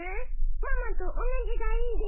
ママと同じがいいです。